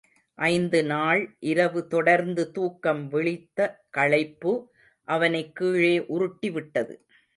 ஐந்து நாள் இரவு தொடர்ந்து தூக்கம் விழித்த களைப்பு அவனைக் கீழே உருட்டிவிட்டது.